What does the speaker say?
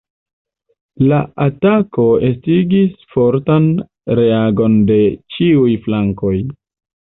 La atako estigis fortan reagon de ĉiuj flankoj.